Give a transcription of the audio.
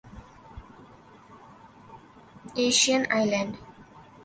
ascension island